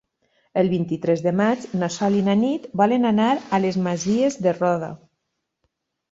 El vint-i-tres de maig na Sol i na Nit volen anar a les Masies de Roda.